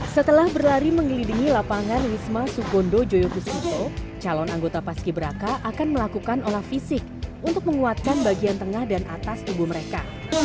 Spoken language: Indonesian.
setelah berlari mengelilingi lapangan wisma sukondo joyokusito calon anggota paski braka akan melakukan olah fisik untuk menguatkan bagian tengah dan atas tubuh mereka